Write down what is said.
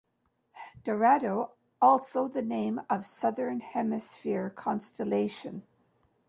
Dorado also the name of southern hemisphere constellation.